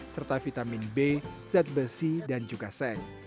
serta vitamin b zat besi dan juga seng